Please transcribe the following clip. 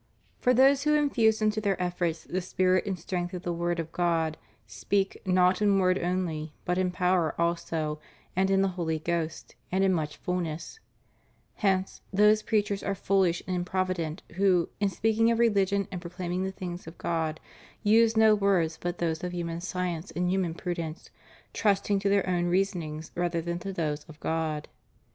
For those who infuse into their efforts the spirit and strength of the Word of God speak not in word only, but in power also, and in the Holy Ghost, and in much fulness} Hence, those preachers are foolish and improvident who, in speaking of religion and proclaim ing the things of God, use no words but those of human science and human prudence, trusting to their own reason ings rather than to those of God.